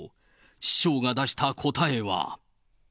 師匠が出した答えは。